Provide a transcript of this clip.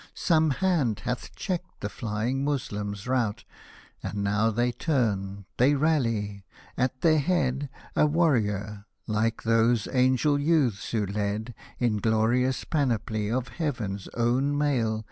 Some hand hath checked the flying Moslem's rout ; And now they turn, they rally — at their head A warrior (like those angel youths who led, In glorious panoply of Heaven's own mail.